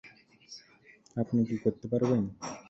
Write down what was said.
আপনি কী করতে পারবেন?